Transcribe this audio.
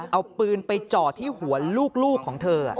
เอาปืนไปจ่อที่หัวลูกของเธอ